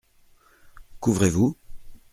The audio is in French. Qu’ouvrez-vous ?